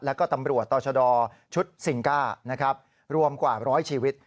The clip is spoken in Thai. และก็ตำรวจต่อชะดอชุดสิงค์การวมกว่า๑๐๐ชีวิต